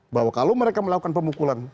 bahwa kalau mereka melakukan pemukulan